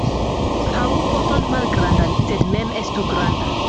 Havu poton malgrandan, sed mem estu granda.